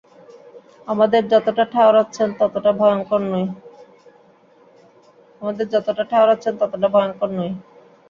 আমাদের যতটা ঠাওরাচ্ছেন ততটা ভয়ংকর নই।